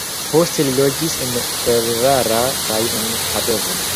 Poste li loĝis en Ferrara kaj en Padovo.